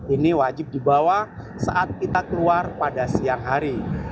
ini wajib dibawa saat kita keluar pada siang hari